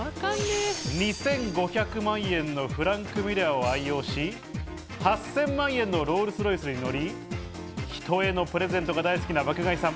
２５００万円のフランクミュラーを愛用し、８０００万円のロールス・ロイスに乗り、人へのプレゼントが大好きな爆買いさん。